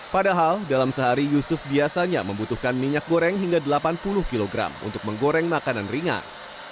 padahal dalam sehari yusuf biasanya membutuhkan minyak goreng hingga delapan puluh kg untuk menggoreng makanan ringan